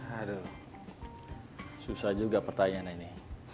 aduh susah juga pertanyaan ini